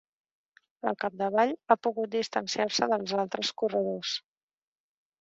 Al capdavall ha pogut distanciar-se dels altres corredors.